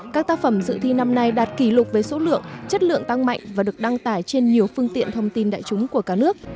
các tác phẩm dự thi năm nay đạt kỷ lục với số lượng chất lượng tăng mạnh và được đăng tải trên nhiều phương tiện thông tin đại chúng của cả nước